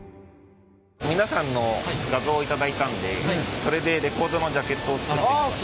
皆さんの画像を頂いたんでそれでレコードのジャケットを作ってみました。